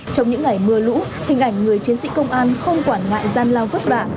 trong những ngày mưa lũ hình ảnh người chiến sĩ công an không quản ngại gian lao vất vả